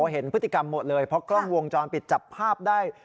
เห็นพฤติกรรมหมดเลยเพราะกล้องวงจรปิดจับภาพได้